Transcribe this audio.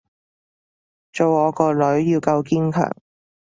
做我個女要夠堅強